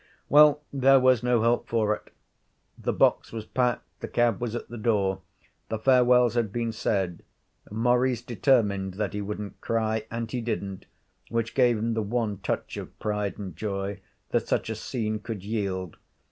Well, there was no help for it. The box was packed, the cab was at the door. The farewells had been said. Maurice determined that he wouldn't cry and he didn't, which gave him the one touch of pride and joy that such a scene could yield.